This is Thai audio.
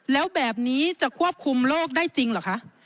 แล้วแบบนี้จะควบคุมโรคได้จริงเหรอคะ